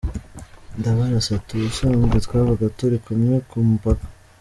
Ndabarasa ati: “Ubusanzwe twabaga turi kumwe ku mupaka.”